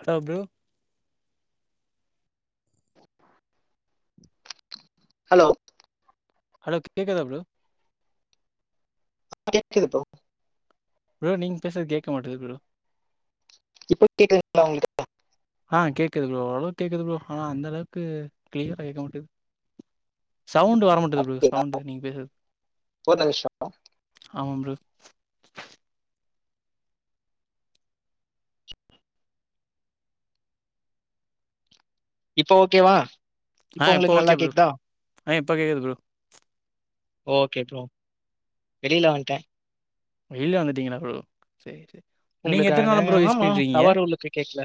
Hello bro hello hello கேக்குதா bro கேக்குதுப் bro bro நீங்க பேசுது கே்கக மாட்டது ப்ரோ இப்ப கேக்குதுங்ளா உங்களுக்கு ஆ கேக்குது ப்ரௌ அவ்வளவு கேக்குது பாயௌ ஆனா அந்த அளவுக்கு க்ளியரா கேட்க மாட்டேது சவுண்டு வரமாட்டது ப்ரோ அப்படிங்களா சவுண்டு நீங்க பேசுறது ஒரு நிமிஷம் ஆமா ப்ரோ இப்ப ஓகேவா ஆ இப்போ இப்ப உங்களுக்கு ஓகே நல்லா ப்ரோ கேக்குதா ஆ இப்ப கேக்குது ப்ரோ ஓகே ப்ரோ வெளில வந்துட்டேன் வெளில வந்துட்டீங்களா ப்ரோ சரி சரி நீங்க எத்தன உங்களுக்காக நாளா ப்ரோ யூஸ் ஆமா பண்ணிட்ருக்கீங்க டவறு வந்துட்டு கேக்கல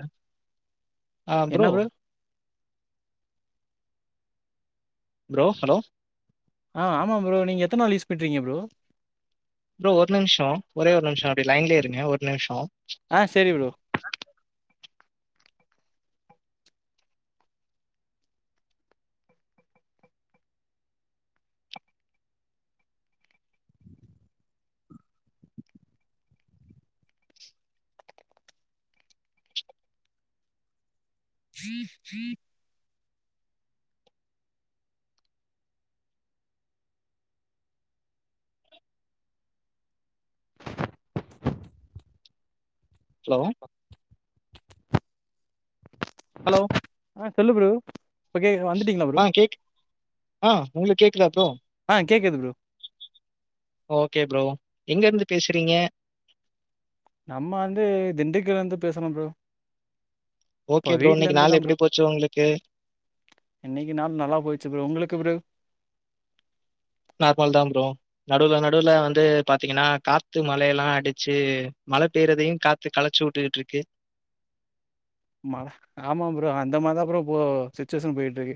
ஆ ப்ரோ ப்ரோ ஹலோ ஆ ஆமா ப்ரோ நீங்க எத்தன் நாள் யூஸ் பண்றீங்க ப்ரோ ப்ரோ ஒரு நிமிஷோ ஒரே ஒரு நிமிஷோ அப்டி லைன்லே இருங்க ஒரு நிமிஷோ ஆ சேரி ப்ரோ ஸ்ீ ஸ்ீ ஹலோ ஆ ஹலோ ஆ சொல்லு ப்ரோ இப்போ கே வந்துட்டீங்களா ப்ரோ ஆ கேக் ஆ உங்களுக் கேக்குதா ப்ரோ ஆ கேக்கது ப்ரோ ஓகே ப்ரோ எங்க இருந்து பேசுறீங்க நம்ம வந்து திண்டுக்கல இருந்து பேசுறோ ப்ரோ இப்போ ஓகே ப்ரோ இன்னைக்கு வீட்லேருந்து நாள் தான் ப்ரோ எப்டி போச்சு உங்ளுக்கு இன்னைக்கு நாுள் நல்லா போயிச்சு ப்ரோ உங்களுக்கு ப்ரோ நார்மல் தா ப்ரோ நடுவுல நடுவுல வந்து பாத்தீங்கனா காத்து மழையெல்லா அடிச்சு மழ பெய்றதையு காத் கு கலச்சு உட்டுக்கிட்டு இருக்கு மா ஆமா ப்ரோ அந்த மாத் தா ப்ரோ சிச்சுவேஸன் போய்ட்டு இருக்கு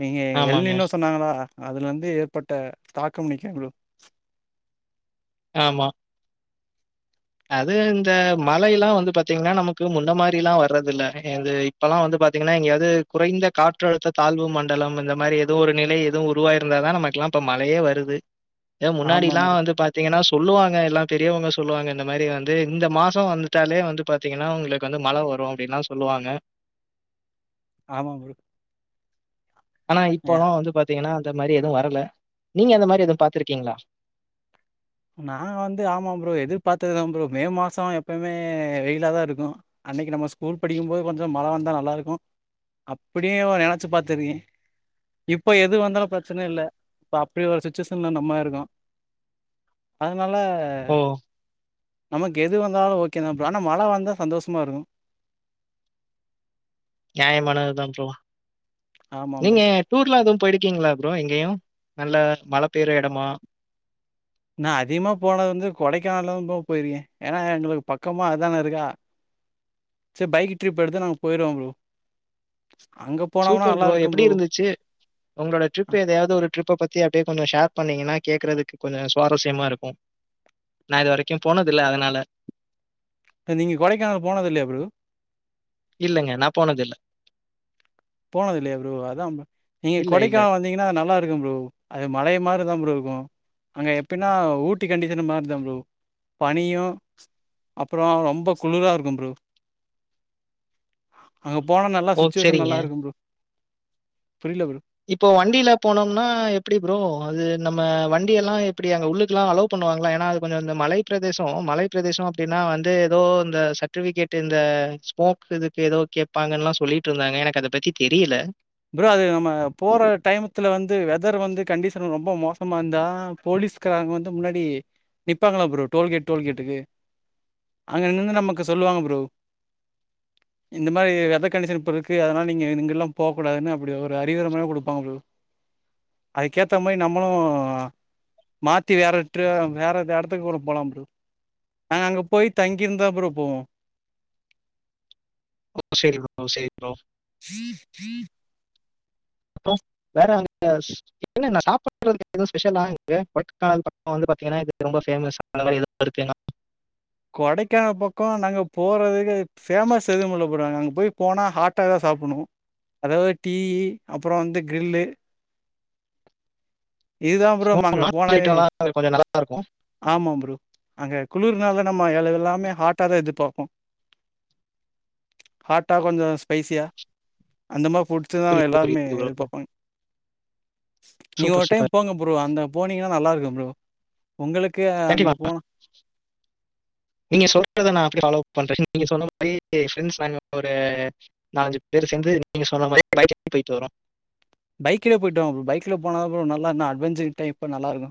நீங்க எல்னி ஆமாங்க இன்னு சொன்னாங்களா அதுல இந்து ஏற்பட்ட தாக்கம்மு நிக்கு ப்ரோ ஆமா அது இந்த மழைலா வந்து பாத்தீங்னா நமக்கு முன்ன மாரில்லா வர்றதில்ல எதை இப்பல்லா வந்து பாத்தீங்கனா எங்கியாது குறைந்த காற்றழுத்த தாழ்வு மண்டலம் இந்த மாரி எதோ ஒரு நிலை எதூ உருவாயிருந்தாதா நம க்குலா இப்ப மழையே வருது இதே ஆமா முன்னாடிலா ப்ரோ வந்து பாத்தீங்கனா சொல்லுவாங்க எல்லா பெரியவுங்க சொல்லுவாங்க இந்த மாரி வந்து இந்த மாசோ வந்துட்டாலே வந்து பாத்தீங்கனா உங்ளுக்கு வந்து மழ வரு அப்டின்லா சொல்லுவாங்க ஆமா ப்ரோ ஆனா இப்போலா வந்து பாத்தீங்கனா அந்த மாரி எதூ வரல நீங்க அந்த மாரி எதூ பாத்திருக்கீங்ளா நா வந்து ஆமாா ப்ரோ எதிர்பார்த்ததுதா ப்ரோ மே மாசோ எப்பய்மே வெயிலாதா இருக்கு அன்னைக்கி நம்ம ஸ்கூல் படிக்கும்போது கொஞ்சோ மழ வந்தா நல்லா இருக்கு அப்புடியேவு நெனச்சு பாத்திருக்கே இப்ப எது வந்தாலு பிரச்சன இல்ல இப்ப அப்டி ஒரு சுச்சுவேஷன்லா நம்ம இருக்கோ அதுனால ஓ! நமக்கு எது வந்தாலு ஓகேதா ப்ரோ ஆனா மழ வந்தா சந்தோஷ்மா இருக்கு நியாயமானதுதா ப்ரோ ஆமா ப்ரோ நீங்க டூர்லா எதூ போயி்ருக்கீங்ளா ப்ரோ எங்கயு நல்லா மழ பெய்ற எடமா நா அதிகுமா போனது வந்து கொடைக்கானல் போ போயிருக்கே ஏனா எங்ளுக்கு பக்கமா அதான இருக்கா சேர் பைக்கு ட்ரிப் எடுத்து நாங்க போயிருவோ ப்ரோ அங்க போனோம்னா சூப்பர் நல்லா ப்ரோ இருக்கும் எப்டி இருந்துச்சு உங்ளோட ட்ரிப் எதையாது ஒரு ட்ரிப்ப பத்தி அப்டியே கொஞ்சோ ஷேர் பண்ணீங்கனா கேக்குறதுக்கு கொஞ்சோ சுவாரஸ்யமா இருக்கு நா இது வரைக்கு போனதில்ல அதுனால ப்ப நீங்க கொடைக்கானல் போனதில்லையா ப்ரோ இல்லங்க நா போனதில்ல போனதில்லையா ப்ரோ அதா நீங்க இல்ல, இல்ல. கொடைக்கான வந் தீங்கனா நல்லா இருக்கும் ப்ரோ அது மலைய மாரிதா ப்ரோ இருக்கூ அங்க எப்பினா ஊட்டி கண்டிஷனு மார்தா ப்ரோ பனியு அப்புறோ ரொம்ப குளுரா இருக்கு ப்ரோ அங்க போனா நல்லா ஓ! சுச்சுவேஷன் சரிங்க. நல்லா இருக்கு ப்ரோ புரில ப்ரோ இப்போ வண்டில போனோம்னா எப்டி ப்ரோ அது நம்ம வண்டி எல்லா எப்டி அங்க உள்ளுக்குலா அலோ பண்ணுவாங்ளா ஏனா அது கொஞ்சோ அந்த மலை பிரதேசோ மலை பிரதேசோ அப்டினா வந்து எதோ இந்த சட் டிவிகேட்டு இந்த ஸ்மோக் இதுக்கு எதோ கேப்பாங்கன்லா சொல்லிட்ருந்தாங்க எனக்கு அத பத்தி தெரியில ப்ரோ அது நம்ம போற டைம்த்துல வந்து வெதர் வந்து கண்டிஷன் ரொம்ப மோசமா இர்ந்தா போலீஸ் காரங்க வந்து முன்னாடி நிப்பாங்கலா ப்ரோ டோல்கேட் டோல்கேட்டுக்கு அங்கங்கர்ந்து நமக்கு சொல்லுவாங்க ப்ரோ இந்த மாரி வெதர் கண்டிஷன் இப்புருக்கு அதுனால நீங்க இங்கெல்லா போவ் கூடாதுன்னு அப்டி ஒரு அறிவுரமாரி குடுப்பாங்க ப்ரோ அதுக்கேத்த மாரி நம்மளு மாத்தி வேறட்ரு வேற எந்த எடத்துக்கூட போலான் ப்ரோ நாங்க அங்க போய் தங்கிர்ந்தா ப்ரோ போவோ ஓ செரி ப்ரோ செரி ப்ரோ [inaudible] அப்றோ வேற [inaudible] யாஸ் என்னென்ன சாப்புறதுக்கு எது ஸ்பெஷலா இங்க கொடைக்கானல பக்கோ வந்து பாத்தீங்கனா இது ரொம்ப பேமஸ் அந்த மாரி எதூ இருக்குனா கொடைக்கானல் பக்கோ நாங்க போறதுக்கு ஃபேமஸ் எதும் இல்ல ப்ரோ அங்க போய் போனா ஹாட்டா எதா சாப்புணு அதாவது டீயி அப்புறோ வந்து கிரில்லு இதுதான் ப்ரோ நம்ம அங்க நான்வெஜ் போனாவே ஐட்டம்லாம் கொஞ்சம் நல்லா இருக்கும் ஆமா ப்ரோ அங்க குளிர்னால நம்ம எலு எல்லாமே ஹாட்டாதா எதுர்பாப்போ ஹாட்ட கொஞ்சோ ஸ்பைஸியா அந்த மா ஃபுட் த்துதா புரியுது எல்லாருமே புரியுது ப்ரோ எதிர்பாப்பாங்க நீ சூப்பர் ஓட் சூப்பர் போங்க ப்ரோ அந்த போனீங்கன்னா நல்லா இருக்கு ப்ரோ உங்களுக்கு அங்க போனா [unintelligible] நீங்க சொல்றத நா அப்டே ஃபாலோ பண்ற நீங்க சொன்னா போயி ஃப்ரெண்ட்ஸ் நாங்க ஒரு நாலஞ்சு பேர் சேந்து நீங்க சொன்ன மாரி [inaudible] போயிட்டு வரோ பைக்லே போய்ட்டு வாங் போ பைக்ல போனாதா ப்ரோ நல்லா இன்னு அட்வெஜ்ஜி டைப்பா நல்ல இருக்கு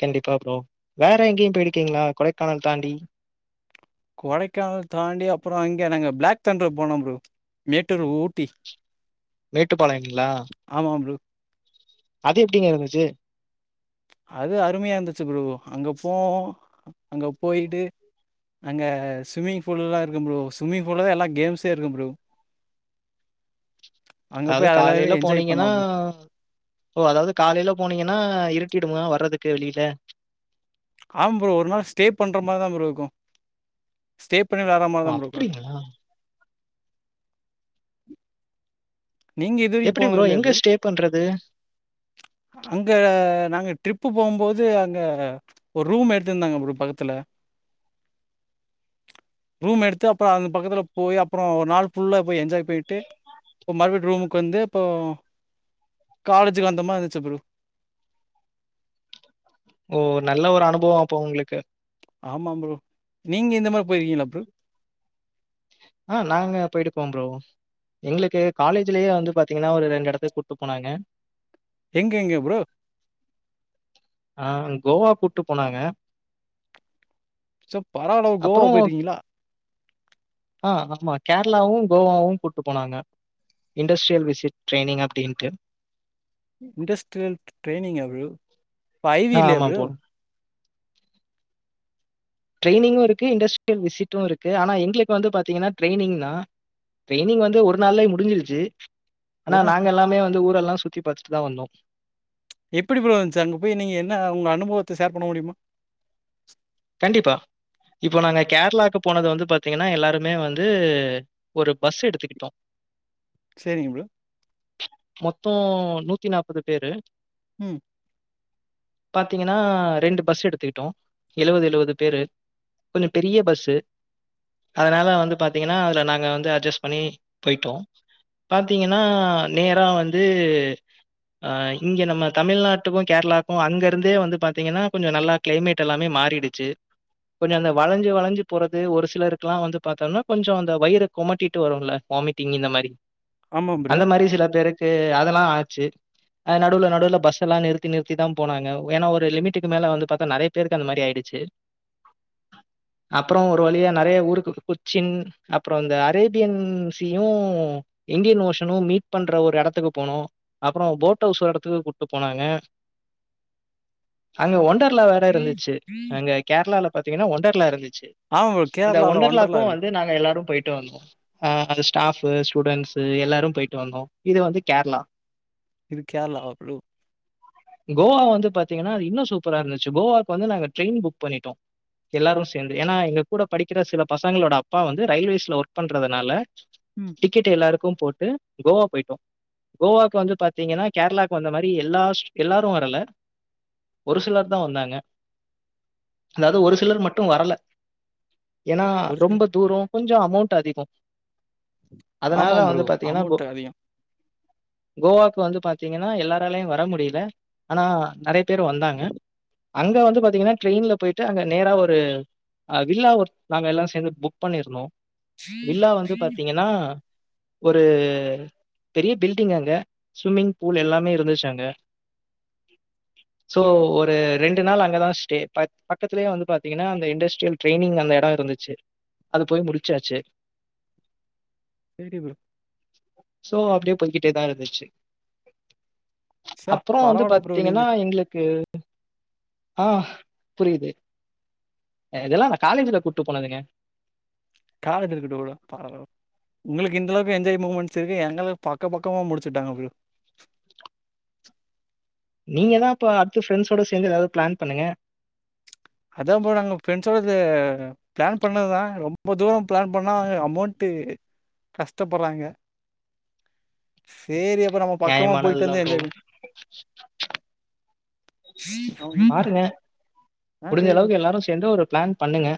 கண்டிப்பா ப்ரோ வேற எங்கேயு போயிருக்கீங்களா கொடைக்கானல் தாண்டி கொடைக்கானல் தாண்டி அப்புறோ இங்க நாங்க பிளாக் தண்டர் போனோ ப்ரோ மேட்டூரு ஊட்டி மேட்டுப்பாளையங்ளா ஆமா ப்ரோ அது எப்டிங்க இருந்துச்சு அது அருமையா இருந்துச்சு ப்ரோ அங்க போவோ அங்க போயிட்டு அங்க ஸ்விமிங் ஃபூல்லா இருக்கு ப்ரோ ஸ்ம்மிங் ஃபூல்வதா எல்லா கேம்ஸே இருக்கும் ப்ரோ அங்க அது போய் காலையில அதெல்லாமே என்ஜாய் பண்ணலாம் போனிங்கன்னா ப்ரோ. ஓ அதாவது காலையில போனீங்கன்னா இருட்டிடுமா வர்றதுக்கு வெளியில ஆமா ப்ரோ ஒரு நாள் ஸ்ட்டே பண்ற மாரிதா ப்ரோ இருக்கு ஸ்ட்டே பண்ணி வற மாரிதா ஓ ப்ரோ இருக்கு அப்படிங்களா நீங்க இதுவரைக்கு எப்படி போனது இல்லையா எங்க ப்ரோ ஸ்டே பண்றது? அங்க நாங்க ட்ரிப்பு போவும்போது அங்க ஒரு ரூம் எடுத்துருந்தாங்க ப்ரோ பக்கத்துல ரூம் எடுத்து அப்பறோ அந்த பக்கத்துல போயி அப்பறோ ஒரு நாள் ஃபுல்லா போய் என்ஜாய் பண்ணிட்டு அப்போ மறுபடி ரூமுக்கு வந்து இப்போ காலேஜுக்கு அந்த மாரி இருந்துச்சு ப்ரோ ஓ நல்ல ஒரு அனுபவோ அப்ப உங்களுக்கு ஆமா ப்ரோ நீங்க இந்த மாரி போயிருக்கீங்ளா ப்ரோ ஆ நாங்க போயிடுக்கோ ப்ரோ எங்களுக்கு காலேஜ்லேயே வந்து பாத்தீங்கன்னா ஒரு ரெண்டு எடத்துக் கூட்டு போனாங்க எங்க எங்க ப்ரோ ஆ கோவா கூட்டு போனாங்க ச பரவால்ல கோவா அப்புறம் போயிட்டிகீங்ளா ஆ ஆமா கேரளாவு கோவாவு கூட்டு போனாங்க இண்டஸ்ட்ரியல் விசிட் ட்ரைனிங் அப்டின்ட்டு இண்டஸ்ட்ரியல் ட்ரைனிங்கா அப்ப ஐ வி ஆ இல்லயா ஆமா ப்ரோ ட்ரைனிங்கு இருக்கு இண்டஸ்ட்ரியல் விசிட்டு இருக்கு ஆனா எங்களுக்கு வந்து பாத்தீங்கா ட்ரைனிங் தா ட்ரைனிங் வந்து ஒரு நாள்லய முடிஞ்சிருச்சு ஆனா ஒரு நாள் நாங்க எல்லாமே வந்து ஊர எல்லா சுத்தி பாத்துட்டு தா வந்தோ எப்படி ப்ரோ இருந்துச்சு அங்க போய் நீங்க என்ன உங்க அனுபவத்த ஷேர் பண்ண முடியுமா கண்டிப்பா இப்போ நாங்க கேரளாக்கு போனது வந்து பாத்தீங்கன்னா எல்லாருமே வந்து ஒரு பஸ்ஸு எடுத்துக்கிட்டோ சேரிங்க ப்ரோ மொத்தோ நூத்தி நாப்பது பேரு ம் பாத்தீங்கன்னா ரெண்டு பஸ்ஸு எடுத்துக்கிட்டோ எழுவது எழுவது பேரு கொஞ்சோ பெரிய பஸ்ஸு அதனால வந்து பாத்தீங்கன்னா அதுல நாங்க வந்து அட்ஜஸ்ட் பண்ணி போயிட்டோ பாத்தீங்கன்னா நேரா வந்து ஆ இங்க நம்ம தமிழ்நாட்டுக்கு கேரளாக்கு அங்கருந்தே வந்து பாத்தீங்கன்னா கொஞ்ச நல்லா க்ளைமேட் எல்லாமே மாறிடுச்சு கொஞ்ச அந்த வளைஞ்சு வளைஞ்சு போறது ஒரு சிலருக்குல்லா வந்து பாத்தோன்னா கொஞ்சோ அந்த வயிறு கொமட்டிட்டு வருல்ல வாமிட்டிங் இந்த மாரி ஆமா ப்ரோ. அந்த மாரி சில பேருக் க்கு அதெல்லா ஆச்சு அ நடுவுல நடுவுல பஸ் எல்லா நிறுத்தி நிறுத்தி தா போனாங்க ஏன்னா ஒரு லிமிட்டுக்கு மேல வந்து பாத்தா நெறைய பேருக் க்கு அந்த மாரி ஆயிடுச்சு அப்றே ஒரு வழியா நெறையா ஊருக்கு கொச்சின் அப்றோ இந்த Arabian sea Indian ocean meet பண்ற ஒரு எடத்துக்கு போனோ அப்றோ போட் ஹவுஸ் ஒரு எடத்துக்கு கூட்டுப் போனாங்க ச அங்க ஒண்டர்லா வேற இருந்துச்சு அங்க கேரளால பாத்தீங்கன்னா ஒண்டர்லா இருந்துச்சு ஆமா ப்ரோ. அந்த கேரளால ஒண்டர்லா ஒண்டர்லாக்கு இருக்கு. வந்து நாங்க எல்லாரு பொயிட்டு வந்தோ அ அந்த ஸ்டாஃப்பு ஸ்டூடெண்ட்ஸு எல்லாரு பொயிட்டு வந்தோ இது வந்து கேர்ளா இது கேரளாவா ப்ரோ கோவா வந்து பாத்தீங்கன்னா அது இன்னு சூப்பரா இருந்துச்சு கோவாக்கு வந்து நாங்க ட்ரெயின் புக் பண்ணிட்டோ எல்லாரு சேந்து ஏன்னா எங்க கூட படிக்கிற சில பசங்களோட அப்பா வந்து ரயில்வேஸ்ல ஒர்க் பண்றதுனால ம் டிக்கெட் எல்லாருக்கு போட்டு கோவா பொயிட்டோ கோவாக்கு வந்து பாத்தீங்கன்னா கேரளாக்கு வந்த மாரி எல்லா எல்லாரு வரல ஒரு சிலர் தா வந்தாங்க அதாவது ஒரு சிலர் மட்டு வரல ஏன்னா ஒரு சில ரொம்ப தூரோ கொஞ்சோ அமௌண்ட் அதிகோ அதுனால ஆமா ப்ரோ. வந்து பாத்தீங்கன்னா கோ அமௌண்ட் அதிகம். கோவாவுக்கு வந்து பாத்தீங்கன்னா எல்லாராலயு வர முடியல ஆனா நெறைய பேர் வந்தாங்க அங்க வந்து பாத்தீங்கன்னா ட்ரெயின்ல பொயிட்டு அங்க நேரா ஒரு அ வில்லா ஒரு நாங்க எல்லா சேர்ந்து புக் பண்ணிருந்தோ வில்லா வந்து பாத்தீங்கென்னா ஒரு பெரிய பில்டிங் அங்க ஸ்விம்மிங் பூல் எல்லாமே இருந்துச்சு அங்க சோ ஒரு ரெண்டு நாள் அங்கதா ஸ்டே பட் பக்கத்துலயே வந்து பாத்தீங்கன்னா அந்த இண்டஸ்ட்ரியல் ட்ரைனிங் அந்த எடோ இருந்துச்சு அது போய் முடுச்சாச்சு சேரி ப்ரோ சோ அப்டியே போய்கிட்டேதா இருந்துச்சு ஷா அப்றோ வந்து பரவால்ல ப்ரோ நீங்க பாத்தீங்கன்னா எங்களுக்கு ஆ புரியுது அ இதெல்லா நா காலேஜுல கூட்டுப் போனதுங்க காலேஜ் இருக்கட்டு ப்ரோ பாக்கலா ப்ரோ உங்களுக்கு இந்த அளவுக்கு என்ஜாய் முமெண்ட்ஸ்க்கு எங்களுக்கு பக்க பக்கமா முடிச்சுவிட்டாங்க ப்ரோ நீங்க தா இப்ப அடுத்த ஃப்ரெண்டஸோட சேந்து எதாவது ப்ளான் பண்ணுங்க அதா ப்ரோ நாங்க ப்ரெண்ஸ்ஸோடது ப்ளான் பண்ணதுதா ரொம்ப தூரம் ப்ளான் பண்ணா அமௌண்ட்டு கஷ்டப்பட்றாங்க சேரி அப் இப்ப நம்ம பக்கமா நியாயமானது பொயிட்டு தான் வந்து ப்ரோ. என்ஜாய் பண்ணி பாருங்க. முடிஞ்ச அளவுக்கு எல்லாரு சேந்து ஒரு ப்ளான் பண்ணுங்க